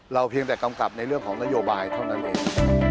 เพียงแต่กำกับในเรื่องของนโยบายเท่านั้นเอง